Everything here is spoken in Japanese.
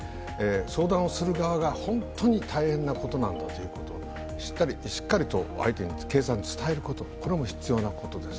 相談をする側が本当に大変なことなんだということをしっかりと警察に伝えることも必要なことです。